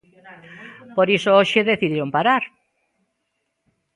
Por iso hoxe decidiron parar.